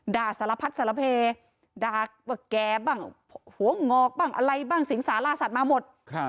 ด่าสารพัดสารเพด่าแกบ้างหัวงอกบ้างสิงสาราสัตว์มาหมด